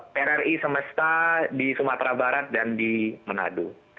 prri semesta di sumatera barat dan di manado